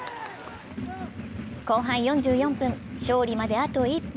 後半４４分、勝利まであと一歩。